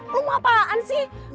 lo mau apaan sih